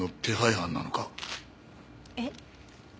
えっ？